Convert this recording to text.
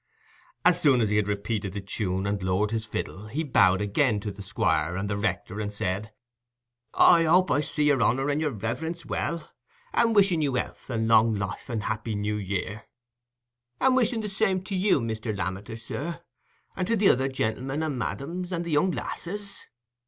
As soon as he had repeated the tune and lowered his fiddle, he bowed again to the Squire and the rector, and said, "I hope I see your honour and your reverence well, and wishing you health and long life and a happy New Year. And wishing the same to you, Mr. Lammeter, sir; and to the other gentlemen, and the madams, and the young lasses."